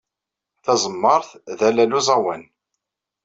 Tazemmaṛt d allal n uẓawan.